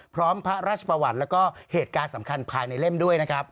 พร้อมพระราชประวัติแล้วก็เหตุการณ์สำคัญภายในเล่มด้วยนะครับ